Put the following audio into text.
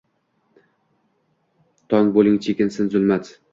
Tong bo’ling – chekinsin zulmat